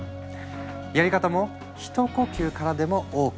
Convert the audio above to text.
やり方も「ひと呼吸からでもＯＫ！